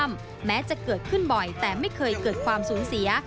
แม้จะเกิดขึ้นบ่อยแต่ไม่เคยเกิดความสูญเสีย